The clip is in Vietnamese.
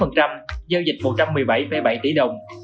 giao dịch một trăm một mươi bảy bảy tỷ đồng